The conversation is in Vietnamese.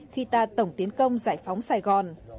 khi ta tổng tiến công giải phóng sài gòn